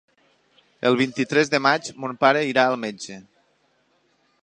El vint-i-tres de maig mon pare irà al metge.